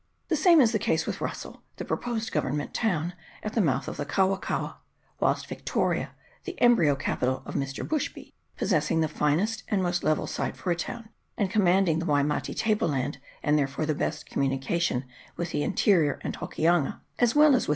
The same is the case with Russell, the proposed Government town, at the mouth of the Kaua kaua ; whilst Victoria, the embryo capital of Mr. Bushby, possessing the finest and most level site for a town, and commanding the Waimate table land, and therefore the best communication with the interior and Hokianga, as well as with CHAP.